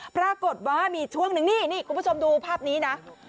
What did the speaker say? ปรากฏว่ามีช่วงนึงนี่คุณผู้ชมดูภาพนี้นะ